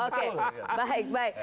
oke baik baik